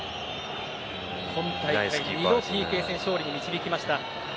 今大会、２度ＰＫ戦を勝利に導きました。